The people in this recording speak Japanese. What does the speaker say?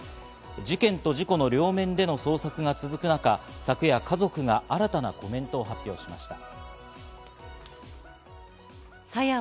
事件と事故の両面での捜索が続く中、昨夜家族が新たなコメントを発表しました。